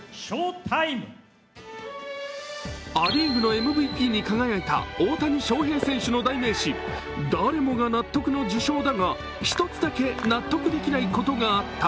ア・リーグのＭＶＰに輝いた大谷翔平選手の代名詞誰もが納得の受賞だが、１つだけ納得できないことがあった。